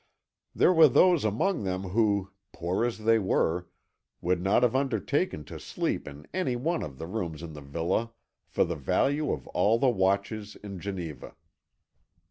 There were those among them who, poor as they were, would not have undertaken to sleep in any one of the rooms in the villa for the value of all the watches in Geneva.